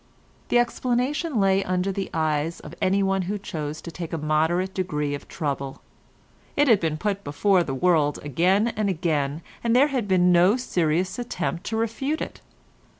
The explanation lay under the eyes of anyone who chose to take a moderate degree of trouble; it had been put before the world again and again, and there had been no serious attempt to refute it.